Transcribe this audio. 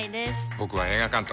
僕は映画監督。